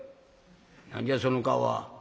何じゃその顔は。